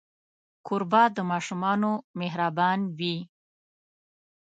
کوربه د ماشومانو مهربان وي.